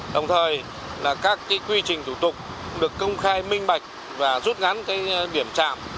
đồng thời là các quy trình thủ tục được công khai minh bạch và rút ngắn điểm trạm